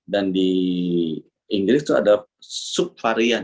dan di inggris itu ada subvarian